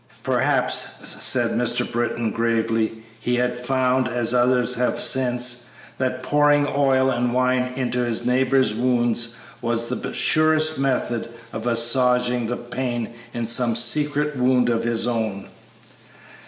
"Perhaps," said Mr. Britton, gravely, "he had found, as others have since, that pouring oil and wine into his neighbor's wounds was the surest method of assuaging the pain in some secret wound of his own."